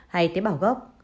hay tế bảo gốc